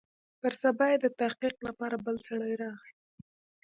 پر سبا يې د تحقيق لپاره بل سړى راغى.